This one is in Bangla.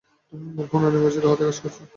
তুমি আমার পূণরায় নির্বাচিত হতে কাজ করছো।